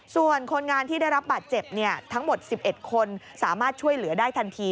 ส่วนคนงานที่ได้รับบาดเจ็บทั้งหมด๑๑คนสามารถช่วยเหลือได้ทันที